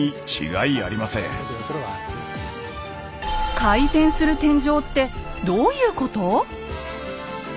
回転する天井ってどういうこと？